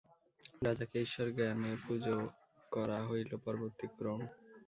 রাজাকে ঈশ্বর-জ্ঞানে পূজা করা হইল পরবর্তী ক্রম।